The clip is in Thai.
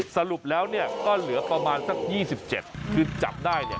สรุปแล้วเนี่ยก็เหลือประมาณสัก๒๗คือจับได้เนี่ย